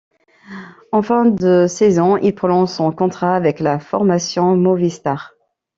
En fin de saison il prolonge son contrat avec la formation Movistar.